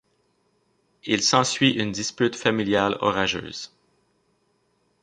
Il s'ensuit une dispute familiale orageuse.